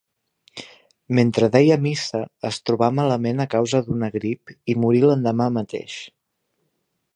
Mentre deia missa es trobà malament a causa d'una grip, i morí l'endemà mateix.